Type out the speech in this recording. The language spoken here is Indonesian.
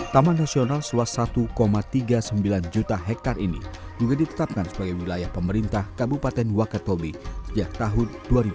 taman nasional seluas satu tiga puluh sembilan juta hektare ini juga ditetapkan sebagai wilayah pemerintah kabupaten wakatobi sejak tahun dua ribu dua